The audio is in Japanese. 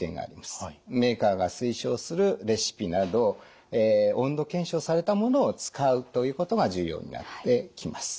メーカーが推奨するレシピなど温度検証されたものを使うということが重要になってきます。